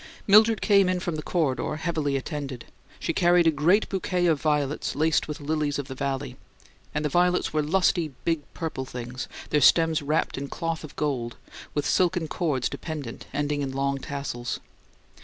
Mildred came in from the corridor, heavily attended. She carried a great bouquet of violets laced with lilies of the valley; and the violets were lusty, big purple things, their stems wrapped in cloth of gold, with silken cords dependent, ending in long tassels.